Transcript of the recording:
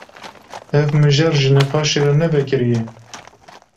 Ev mijar ji nîqaşê re ne vekirî ye.